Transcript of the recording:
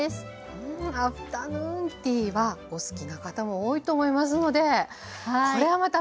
うんアフタヌーンティーはお好きな方も多いと思いますのでこれはまたうれしいレシピですけれども。